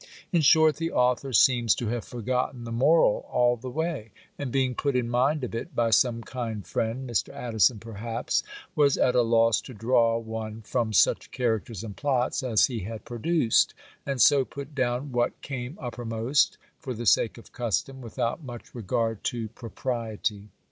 In short the author seems to have forgotten the moral all the way; and being put in mind of it by some kind friend (Mr. Addison, perhaps), was at a loss to draw one from such characters and plots as he had produced; and so put down what came uppermost, for the sake of custom, without much regard to propriety.